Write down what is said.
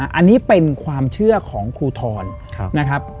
อันนี้เป็นความเชื่อของครูทรนะครับ